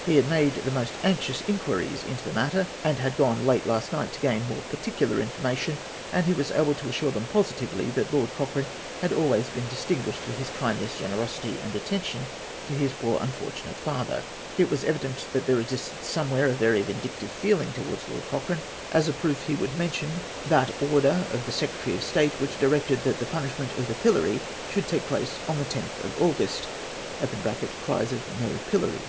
He had made the most anxious incpiiries into that matter, and had gone late last night to gain more par ticular information: and he was able to assure them j)ositively that Lord Cochrane had always been distinguished for his kindness, generosity, and attention to his poor unfortunate father. It was evident that there existed somewhere a very vindictive feeling towards Lord Cochrane. As a proof, he EE ELECTION OF LOED COCHRANE. 449 would mention that order of the Secretary of State which directed that the punishment of the pillory should take place on the 10th of August (cries of " No Pillory^'').